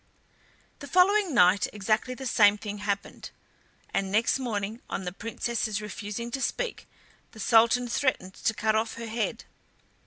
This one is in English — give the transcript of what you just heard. The following night exactly the same thing happened, and next morning, on the Princess's refusing to speak, the Sultan threatened to cut off her head.